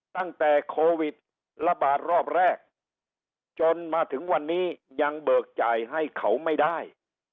ตั้งแต่โควิดระบาดรอบแรกจนมาถึงวันนี้ยังเบิกจ่ายให้เขาไม่ได้